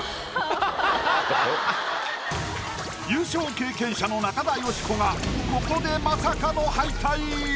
優勝経験者の中田喜子がここでまさかの敗退！